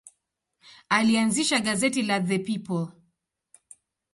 Alianzisha gazeti la The People.